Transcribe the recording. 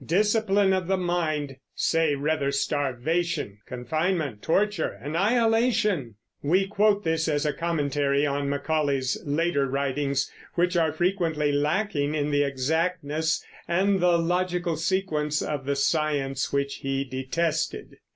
Discipline of the mind! Say rather starvation, confinement, torture, annihilation!" We quote this as a commentary on Macaulay's later writings, which are frequently lacking in the exactness and the logical sequence of the science which he detested.